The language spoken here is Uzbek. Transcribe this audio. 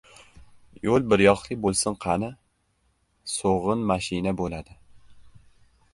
Yo‘l biryoqli bo‘lsin qani. So‘g‘in, mashina bo‘ladi.